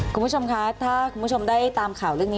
คุณผู้ชมคะถ้าคุณผู้ชมได้ตามข่าวเรื่องนี้